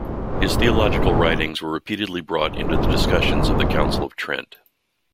His theological writings were repeatedly brought into the discussions of the Council of Trent.